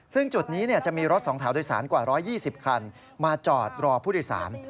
ซึ่งจุดนี้จะมีรถสองแถวโดยสารกว่า๑๒๐คันมาจอดรอผู้โดยสาร